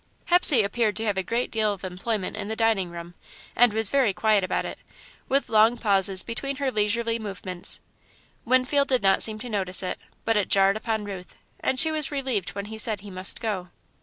Hepsey appeared to have a great deal of employment in the dining room, and was very quiet about it, with long pauses between her leisurely movements. Winfield did not seem to notice it, but it jarred upon Ruth, and she was relieved when he said he must go.